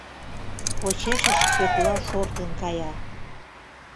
Почешышт Пӧкла шортын кая.